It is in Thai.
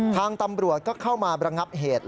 ทางตำรวจก็เข้ามาระงับเหตุ